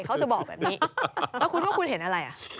เขาจะบอกแบบนี้แล้วคุณว่าคุณเห็นอะไรอ่ะ